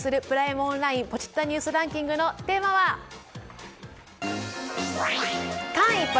オンラインポチッたニュースランキングのテーマは間一髪！